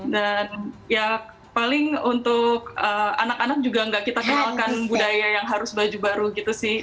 dan ya paling untuk anak anak juga enggak kita kenalkan budaya yang harus baju baru gitu sih